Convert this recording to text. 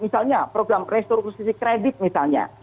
misalnya program restribusi kredit misalnya